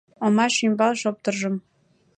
Омаш ӱмбал шоптыржым